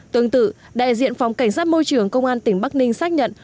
tương tự đại diện phòng cảnh sát môi trường công an tỉnh bắc ninh xác nhận